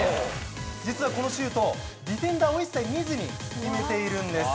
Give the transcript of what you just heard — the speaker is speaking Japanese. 実はこのシュートディフェンダーを一切見ずに決めているんです！